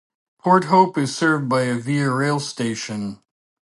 Port Hope is served by a Via Rail station.